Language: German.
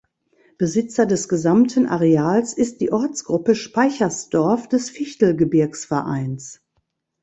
Besitzer des gesamten Areals ist die Ortsgruppe Speichersdorf des Fichtelgebirgsvereins.